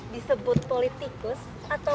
disebut politikus atau